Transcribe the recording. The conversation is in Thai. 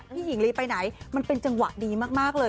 หญิงลีไปไหนมันเป็นจังหวะดีมากเลย